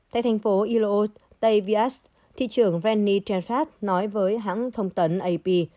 tại thành phố iloos tây vias thị trường renny trefas nói với hãng thông tấn ap